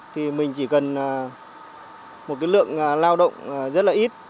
thì mình chỉ cần một lượng lao động rất là ít